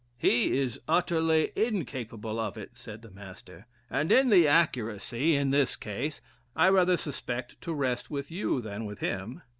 "He is utterly incapable of it," said the Master; "and the inaccuracy, in this case, I rather suspect to rest with you than with him.